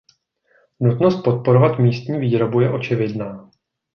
Nutnost podporovat místní výrobu je očividná.